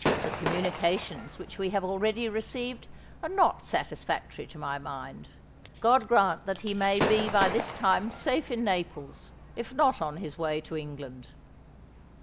The communications which we have already received are not satisfactory to my mind. God grant that he may be by this time safe in Naples—if not on his way to England."